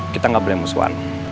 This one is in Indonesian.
kita gak beli musuhan